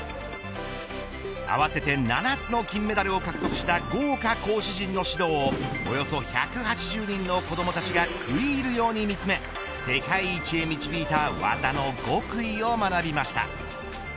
合わせて７つの金メダルを獲得した豪華講師陣の指導をおよそ１８０人の子どもたちが食い入るように見つめ世界一へ導いた技の極意を学びました。